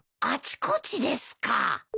あちこちですか。